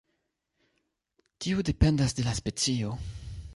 Tiu dependas de la specio.